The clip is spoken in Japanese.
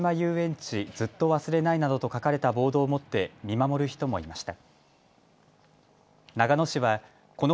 ちずっとわすれないなどと書かれたボードを持って見守る人もいました。